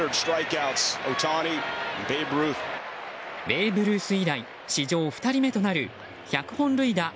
ベーブ・ルース以来史上２人目となる１００本塁打３００